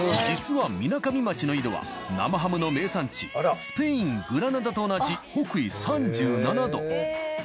実はみなかみ町の緯度は生ハムの名産地スペイングラナダと同じ北緯３７度。